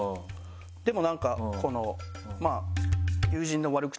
でもなんかこのまぁ。